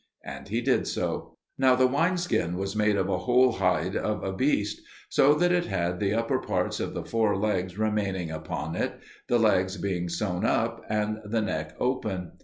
And he did so. Now the wine skin was made of a whole hide of a beast, so that it had the upper parts of the four legs remaining upon it, the legs being sewn up, and the neck open.